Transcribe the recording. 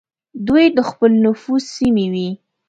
دوی د خپل نفوذ سیمې وې.